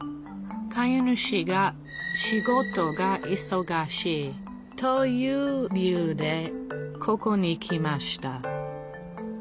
飼い主が仕事がいそがしいという理由でここに来ました